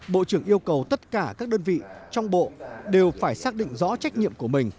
bộ trưởng yêu cầu tất cả các đơn vị trong bộ đều phải xác định rõ trách nhiệm của mình